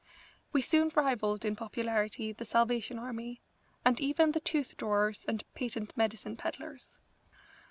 We soon rivalled in popularity the Salvation Army, and even the tooth drawers and patent medicine pedlars.